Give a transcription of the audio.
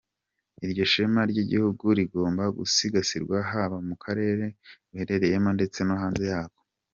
Iryo shema ry’igihugu rigomba gusigasirwa haba mu karere ruherereyemo ndetse no hanze yako."